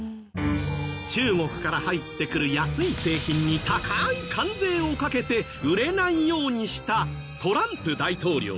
中国から入ってくる安い製品に高い関税をかけて売れないようにしたトランプ大統領。